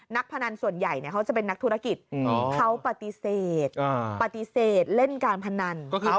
พนันส่วนใหญ่เขาจะเป็นนักธุรกิจเขาปฏิเสธปฏิเสธเล่นการพนัน